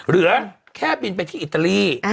เหลือแค่บินไปที่อิตาลี